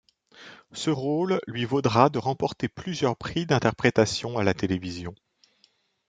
Ce rôle lui vaudra de remporter plusieurs prix d'interprétation à la télévision.